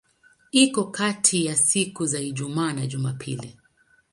Iko kati ya siku za Ijumaa na Jumapili.